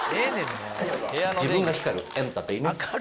自分が光るエンターテインメント！